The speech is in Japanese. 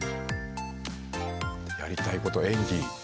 やりたいこと演技。